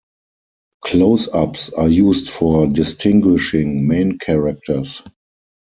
Close-ups are used for distinguishing main characters.